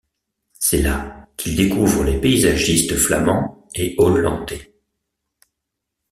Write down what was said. C'est là qu'il découvre les paysagistes flamands et hollandais.